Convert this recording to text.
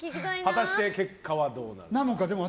果たして結果はどうなんでしょうか。